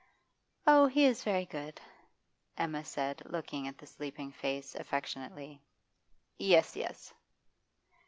'Oh, he is very good,' Emma said, looking at the sleeping face affectionately. 'Yes, yes.